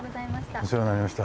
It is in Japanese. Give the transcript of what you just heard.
お世話になりました。